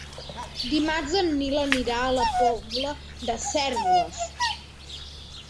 Dimarts en Nil anirà a la Pobla de Cérvoles.